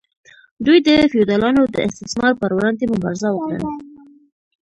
دوی د فیوډالانو د استثمار پر وړاندې مبارزه وکړه.